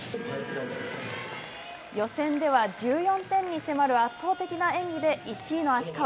予選では１４点に迫る圧倒的な演技で１位の芦川。